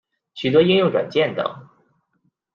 许多应用软件等。